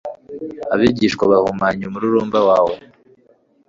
abigishwa bahumanya umururumba wawe